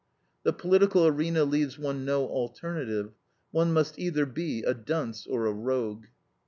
The political arena leaves one no alternative, one must either be a dunce or a rogue.